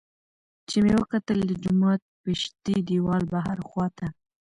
چې مې وکتل د جومات پشتۍ دېوال بهر خوا ته